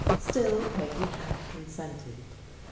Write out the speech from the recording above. Still, Peggy had consented.